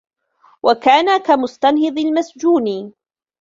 وَكَانَ كَمُسْتَنْهِضِ الْمَسْجُونِ